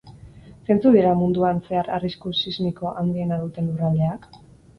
Zeintzuk dira munduan zehar arrisku sismiko handiena duten lurraldeak?